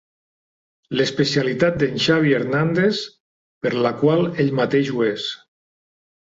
L'especialitat d'en Xavi Hernández per la qual ell mateix ho és.